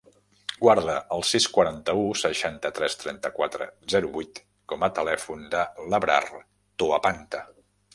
Guarda el sis, quaranta-u, seixanta-tres, trenta-quatre, zero, vuit com a telèfon de l'Abrar Toapanta.